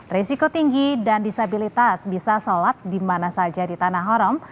resiko tinggi dan disabilitas bisa sholat dimana saja di tanah haram